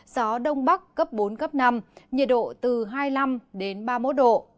gió đông bắc cấp bốn năm nhiệt độ từ hai mươi năm ba mươi một độ